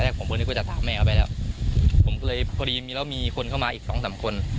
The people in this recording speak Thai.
ผมก็นึกว่าจะถามแม่เขาไปแล้วผมก็เลยพอดีมีแล้วมีคนเข้ามาอีกสองสามคน